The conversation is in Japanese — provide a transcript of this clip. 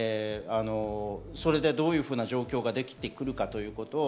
それでどういう状況ができてくるかということ。